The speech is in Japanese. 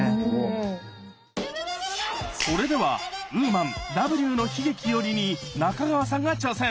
それでは「Ｗｏｍａｎ“Ｗの悲劇”より」に仲川さんが挑戦！